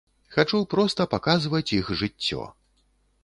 Хачу проста паказваць іх жыццё.